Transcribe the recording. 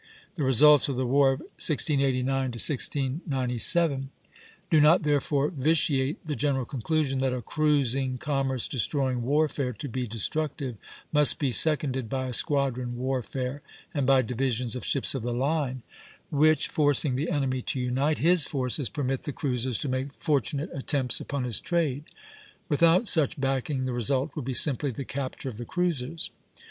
The results of the war of 1689 1697 do not therefore vitiate the general conclusion that "a cruising, commerce destroying warfare, to be destructive, must be seconded by a squadron warfare, and by divisions of ships of the line; which, forcing the enemy to unite his forces, permit the cruisers to make fortunate attempts upon his trade. Without such backing the result will be simply the capture of the cruisers."